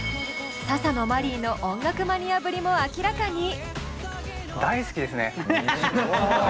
ササノマリイの音楽マニアぶりも明らかに！